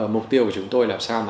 mục tiêu của chúng tôi là sao